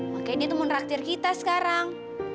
makanya dia tuh mau ngeraktir kita sekarang